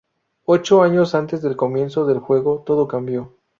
Ocho años antes del comienzo del juego, todo cambió.